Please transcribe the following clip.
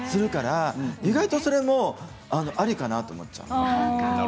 意外とそれもありかなと思いました。